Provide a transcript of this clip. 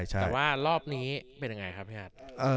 แต่ว่ารอบนี้เป็นยังไงครับพี่ฮัท